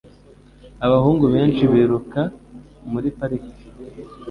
Abahungu benshi biruka muri parike.